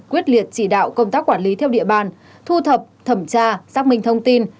quyết liệt chỉ đạo công tác quản lý theo địa bàn thu thập thẩm tra xác minh thông tin